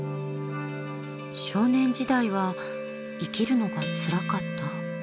少年時代は生きるのがつらかった？